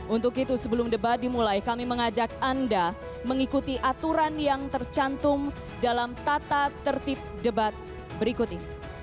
untuk itu sebelum debat dimulai kami mengajak anda mengikuti aturan yang tercantum dalam tata tertib debat berikut ini